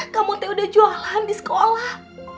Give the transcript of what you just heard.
kamu teh udah jualan di sekolah